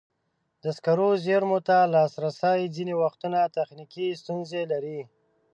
د سکرو زېرمو ته لاسرسی ځینې وختونه تخنیکي ستونزې لري.